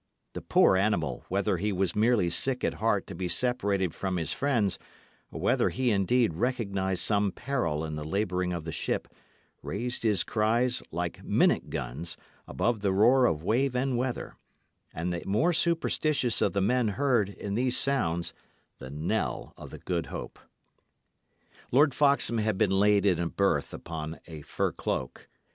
The poor animal, whether he was merely sick at heart to be separated from his friends, or whether he indeed recognised some peril in the labouring of the ship, raised his cries, like minute guns, above the roar of wave and weather; and the more superstitious of the men heard, in these sounds, the knell of the Good Hope. Lord Foxham had been laid in a berth upon a fur cloak.